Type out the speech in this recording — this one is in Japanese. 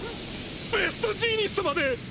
ベストジーニストまで！？